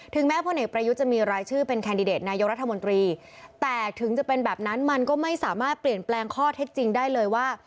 แม้พลเอกประยุทธ์จะมีรายชื่อเป็นแคนดิเดตนายกรัฐมนตรีแต่ถึงจะเป็นแบบนั้นมันก็ไม่สามารถเปลี่ยนแปลงข้อเท็จจริงได้เลยว่า